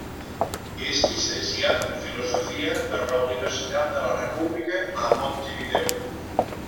És llicenciat en Filosofia per la Universitat de la República, a Montevideo.